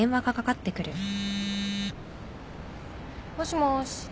もしもし。